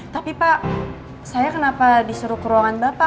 tapi pak saya kenapa disuruh ke ruangan bapak